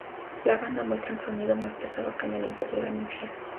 La banda muestra un sonido más pesado que en el anterior, "El inferno".